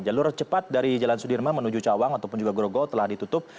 jalur cepat dari jalan sudirman menuju cawang ataupun juga grogol telah ditutup